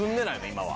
今は。